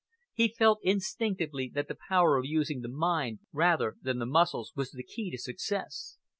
He felt instinctively that the power of using the mind rather than the muscles was the key to success.